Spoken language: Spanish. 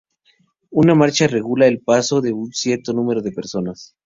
Una marcha regula el paso de un cierto número de personas.